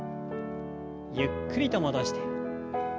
ゆっくりと戻して。